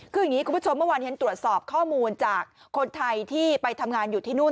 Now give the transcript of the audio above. คืออย่างนี้คุณผู้ชมเมื่อวานเห็นตรวจสอบข้อมูลจากคนไทยที่ไปทำงานอยู่ที่นู่น